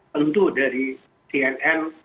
tentu dari cnn